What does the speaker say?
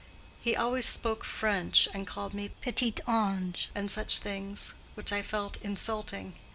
He always spoke French, and called me petite ange and such things, which I felt insulting.